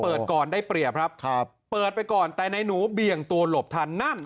ก่อนได้เปรียบครับครับเปิดไปก่อนแต่นายหนูเบี่ยงตัวหลบทันนั่น